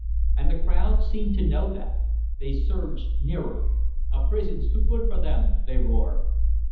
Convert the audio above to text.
And the crowd seemed to know that; they surged nearer. "A prison's too good for them!" they roared.